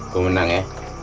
gua menang ya